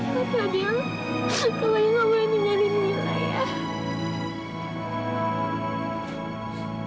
kak fadil kamu nggak boleh ninggalin mila ya